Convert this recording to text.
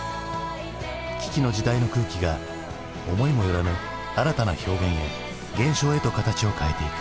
危機の時代の空気が思いも寄らぬ新たな表現へ現象へと形を変えていく。